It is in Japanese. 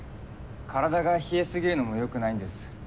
体が冷えすぎるのもよくないんです。